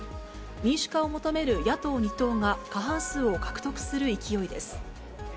民主化を求める野党２党が過半数を獲得する勢いです。